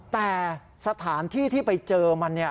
แต่สถานที่ที่ไปเจอมัน